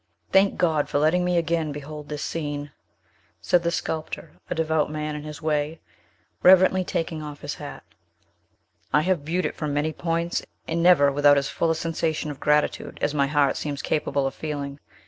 "Thank God for letting me again behold this scene!" Said the sculptor, a devout man in his way, reverently taking off his hat. "I have viewed it from many points, and never without as full a sensation of gratitude as my heart seems capable of feeling.